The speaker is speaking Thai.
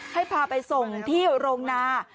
ให้พาไปส่งที่โรงนา